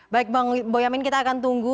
baik bang boyamin kita akan tunggu